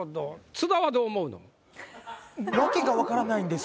津田はどう思うの？